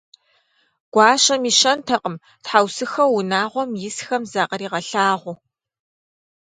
Гуащэм и щэнтэкъым тхьэусыхэу унагъуэм исхэм закъригъэлъагъуу.